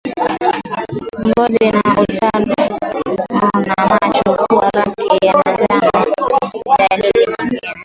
Ngozi na utando wa macho kuwa rangi ya njano ni dalili nyingine